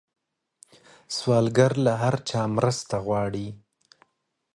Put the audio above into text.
سوالګر له هر چا مرسته غواړي